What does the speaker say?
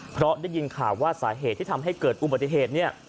เพราะได้ยินข่าวว่าสาเหตุที่ทำให้เกิดอุบัติเหตุเนี่ย